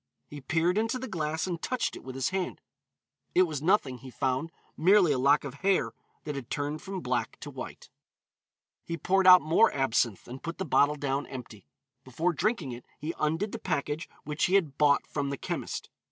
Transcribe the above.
He peered into the glass and touched it with his hand. It was nothing, he found, merely a lock of hair that had turned from black to white. He poured out more absinthe, and put the bottle down empty. Before drinking it he undid the package which he had bought from the chemist.